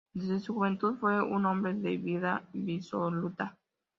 Desde su juventud fue un hombre de vida disoluta.